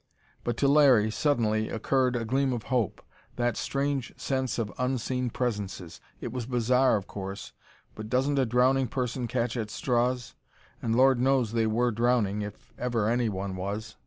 But to Larry, suddenly, occurred a gleam of hope. That strange sense of unseen presences! It was bizarre, of course, but doesn't a drowning person catch at straws? And Lord knows they were drowning, if ever anyone was!